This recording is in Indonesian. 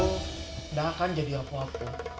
tidak akan jadi apa apa